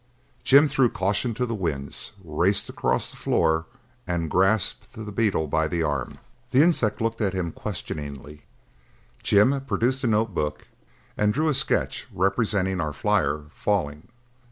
Jim threw caution to the winds, raced across the floor and grasped the beetle by the arm. The insect looked at him questioningly; Jim produced the notebook and drew a sketch representing our flyer falling.